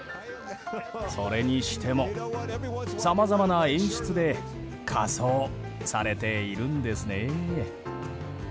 それにしても、さまざまな演出で仮装されているんですね。